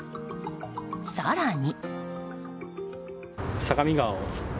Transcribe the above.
更に。